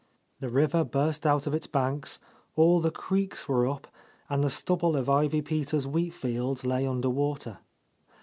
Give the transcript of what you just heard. The river burst out of its banks, all the creeks were up, and the stubble of Ivy Peters' wheat fields lay under water.